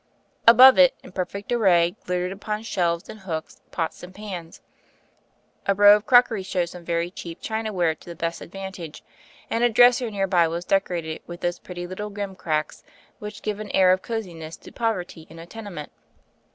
Above it, in perfect array, glittered, upon shelves and hooks, pots and pans. A row of crockery showed some very cheap china ware to the best advantage ; and a dresser near by was decorated with those pretty lift^^ gimcracks, which give an air of ioverty in a tenement.